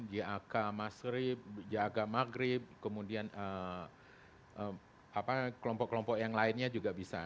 jak masrib jaga maghrib kemudian kelompok kelompok yang lainnya juga bisa